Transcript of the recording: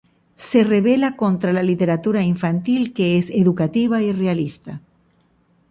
Se rebela contra la literatura infantil que es educativa y realista.